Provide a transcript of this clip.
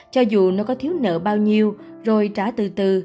cho dù nó có thiếu nợ bao nhiêu rồi trả từ từ